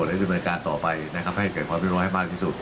ให้เกิดความเรียบร้อยมากที่สุด